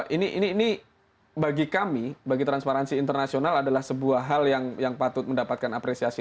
ini bagi kami bagi transparansi internasional adalah sebuah hal yang patut mendapatkan apresiasi